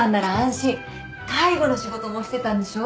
介護の仕事もしてたんでしょ？